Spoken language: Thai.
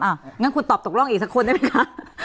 งั้นคุณตอบตกร่องอีกสักคนได้ไหมคะ